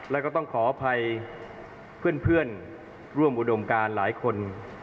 แล้วก็ต้องขออภัยเพื่อนร่วมอุดมการหลายคน